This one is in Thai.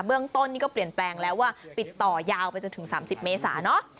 เรื่องต้นนี่ก็เปลี่ยนแปลงแล้วว่าปิดต่อยาวไปจนถึง๓๐เมษาเนอะ